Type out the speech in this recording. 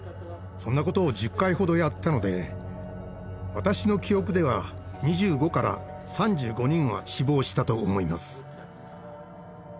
そんなことを１０回ほどやったので私の記憶では２５３５人は死亡したと思います。